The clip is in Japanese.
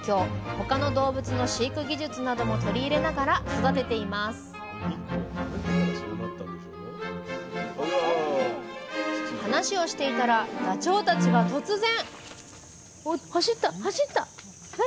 他の動物の飼育技術なども取り入れながら育てています話をしていたらダチョウたちが突然！